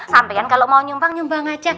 sampean kalau mau nyumbang nyumbang aja